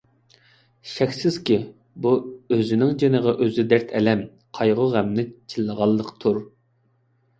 شەكسىزكى، بۇ ئۆزىنىڭ جېنىغا ئۆزى دەرد - ئەلەم، قايغۇ - غەمنى چىللىغانلىقتۇر.